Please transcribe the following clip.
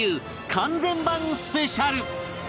完全版スペシャル